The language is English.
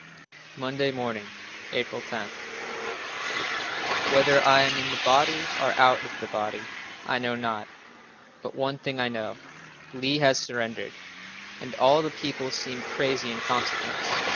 Monday Morning, April 10. "Whether I am in the body, or out of the body, I know not, but one thing I know," Lee has surrendered! and all the people seem crazy in consequence.